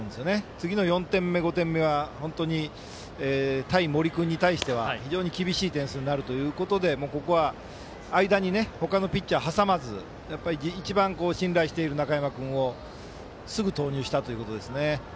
次の４点目、５点目は本当に対森君に対しては非常に厳しい点数になるということでここは間に他のピッチャーを挟まず一番、信頼している中山君をすぐ投入したということですね。